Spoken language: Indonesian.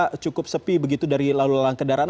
karena cukup sepi begitu dari lalu lalang kendaraan